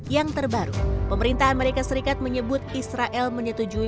yang terbaru pemerintah amerika serikat menyebut israel menyetujui